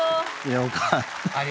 良かった。